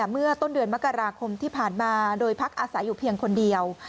เมื่อต้นเดือนมกราคมที่ผ่านมาโดยพักอาศัยอยู่เพียงคนเดียว